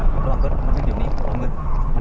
ระวังรถเยี่ยวนี้ปลอมือ